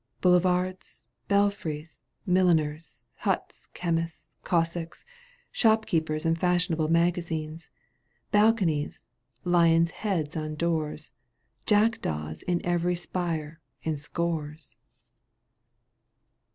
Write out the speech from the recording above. Boulevards, belfries, milliners, Huts, chemists, Cossacks, shopkeepers And fashionable magazines. Balconies, lion's heads on doors. Jackdaws on every spire — ^in scores."